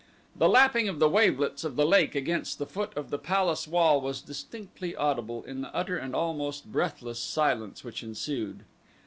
The lapping of the wavelets of the lake against the foot of the palace wall was distinctly audible in the utter and almost breathless silence which ensued.